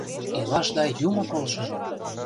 Илашда Юмо полшыжо!